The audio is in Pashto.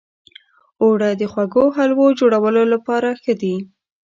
اوړه د خوږو حلوو جوړولو لپاره ښه دي